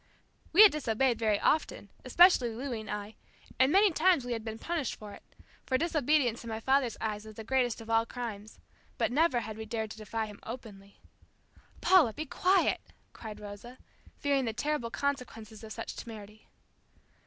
We had disobeyed very often, especially Louis and I, and many times we had been punished for it, for disobedience in my father's eyes was the greatest of all crimes; but never had we dared to defy him openly. "Paula, be quiet," cried Rosa, fearing the terrible consequences of such temerity.